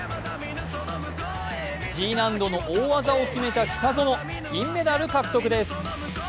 Ｇ難度の大技を決めた北園、銀メダル獲得です。